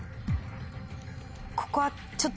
ここはちょっと。